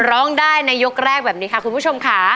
ร้องได้ในยกแรกแบบนี้ค่ะคุณผู้ชมค่ะ